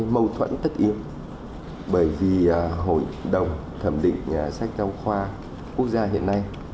mâu thuẫn tất yếu bởi vì hội đồng thẩm định sách giáo khoa quốc gia hiện nay